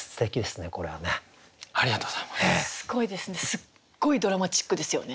すっごいドラマチックですよね。